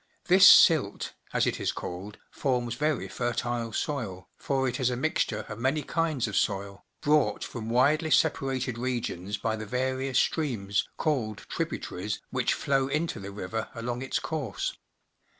This silt, as it is called, forms very fertile soil, for it is a mixture of many kinds of soil, brought from widely separated regions by the various streams, called tributaries, which flow into the river along its course.